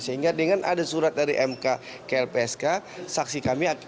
sehingga dengan ada surat dari mk ke lpsk